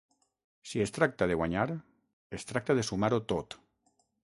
Si es tracta de guanyar, es tracta de sumar-ho tot.